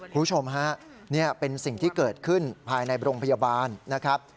คุณผู้ชมฮะนี่เป็นสิ่งที่เกิดขึ้นภายในโรงพยาบาลนะครับ